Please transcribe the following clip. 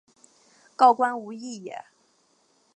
告官无益也。